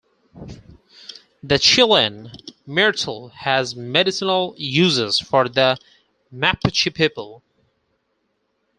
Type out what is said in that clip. The Chilean myrtle has medicinal uses for the Mapuche people.